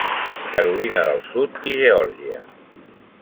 Carolina del Sud i Geòrgia.